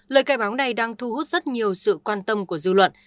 lời khai báo này đang thu hút rất nhiều sự quan tâm của dư luận